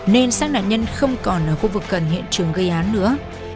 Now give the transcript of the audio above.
nên xác nạn nhân không còn ở khu vực cần hiện trường gây án nữa